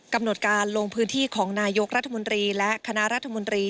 กำหนดการลงพื้นที่ของนายกรัฐมนตรีและคณะรัฐมนตรี